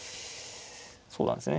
そうなんですよね